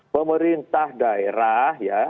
pemerintah daerah ya